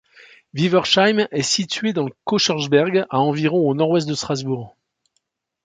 Wiwersheim est située dans le Kochersberg, à environ au nord-ouest de Strasbourg.